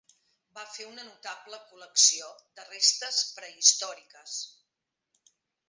Va fer una notable col·lecció de restes prehistòriques.